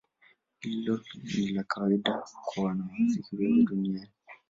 Hilo ni la kawaida kwa wanamuziki wengi duniani.